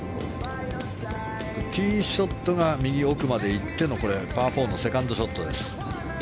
ティーショットが右奥まで行ってのパー４のセカンドショットです。